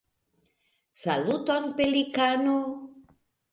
Saluton Pelikano!